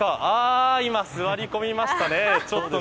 今、座り込みましたね。